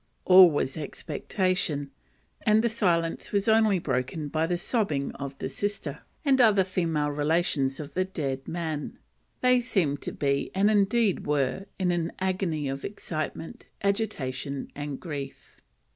All was expectation, and the silence was only broken by the sobbing of the sister, and other female relations of the dead man: they seemed to be, and indeed were, in an agony of excitement, agitation, and grief.